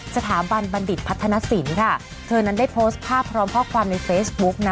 บัณฑิตพัฒนศิลป์ค่ะเธอนั้นได้โพสต์ภาพพร้อมข้อความในเฟซบุ๊กนะ